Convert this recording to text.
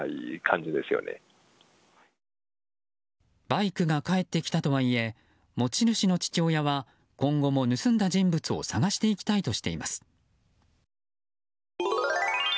バイクが返ってきたとはいえ持ち主の父親は今後も盗んだ人物を捜していきたいとしています。